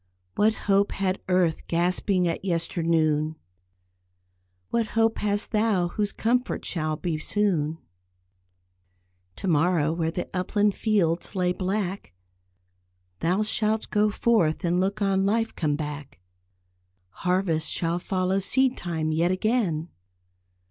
"What hope had earth gasping at yesternoon? What hope hast thou whose comfort shall be soon. To morrow where the upland fields lay black, Thou shalt go forth and look on life come back. Harvest shall follow seed time yet again.